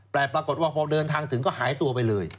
แต่ปรากฏว่าพอเดินทางถึงก็หายตัวไปเลย